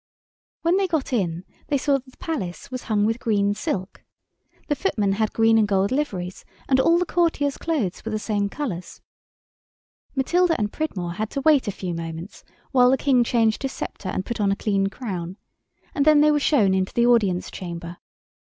When they got in they saw that the Palace was hung with green silk. The footmen had green and gold liveries, and all the courtiers' clothes were the same colours. Matilda and Pridmore had to wait a few moments while the King changed his sceptre and put on a clean crown, and then they were shown into the Audience Chamber.